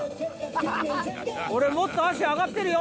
「俺もっと足上がってるよ」